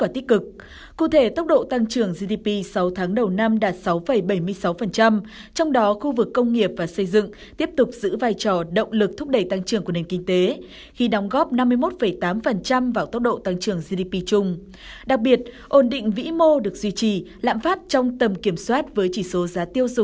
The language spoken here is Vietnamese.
theo ncif dự báo tốc độ tăng trưởng kinh tế việt nam năm hai nghìn một mươi chín sẽ ở mức sáu tám mươi sáu